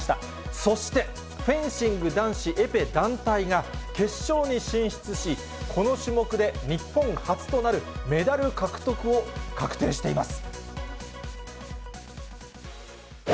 そしてフェンシング男子エペ団体が、決勝に進出し、この種目で日本初となるメダル獲得を確定しています。